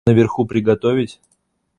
Наверху приготовить?